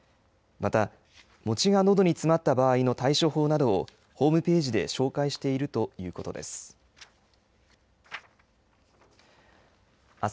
また、餅がのどに詰まった場合の対処法などを、ホームページで紹介しているということです。